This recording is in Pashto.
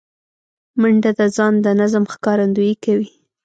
منډه د ځان د نظم ښکارندویي کوي